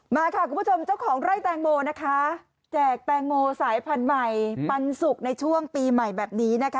มาค่ะคุณผู้ชมเจ้าของไร่แตงโมนะคะแจกแตงโมสายพันธุ์ใหม่ปันสุกในช่วงปีใหม่แบบนี้นะคะ